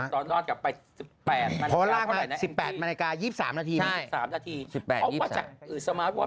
ตอนนั้นกลับไป๑๘มน